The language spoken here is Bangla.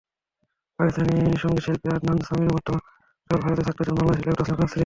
পাকিস্তানি সংগীতশিল্পী আদনান সামির মতো অনির্দিষ্টকাল ভারতে থাকতে চান বাংলাদেশি লেখক তসলিমা নাসরিন।